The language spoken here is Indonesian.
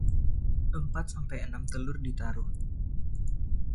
Empat sampai enam telur ditaruh.